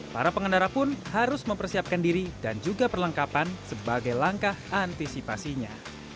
para pengendara pun harus mempersiapkan diri dan juga perlengkapan sebagai langkah antisipasinya